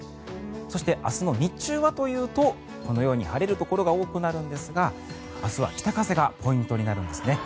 そして、明日の日中はというとこのように晴れるところが多くなるんですが明日は北風がポイントになるんですね。